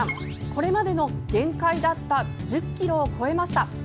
これまでの限界だった１０ｋｍを越えました。